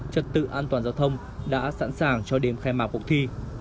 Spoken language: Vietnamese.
trật tự an toàn giao thông đã sẵn sàng cho đêm khai mạc cuộc thi